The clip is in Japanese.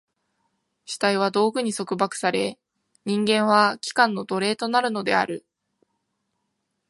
主体は道具に束縛され、人間は器官の奴隷となるのである。